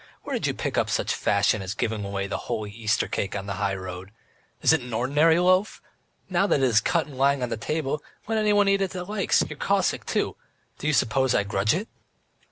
"Where did you pick up such a fashion as giving away the holy Easter cake on the high road? Is it an ordinary loaf? Now that it is cut and lying on the table, let anyone eat it that likes your Cossack too! Do you suppose I grudge it?"